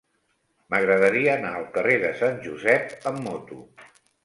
M'agradaria anar al carrer de Sant Josep amb moto.